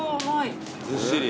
ずっしり？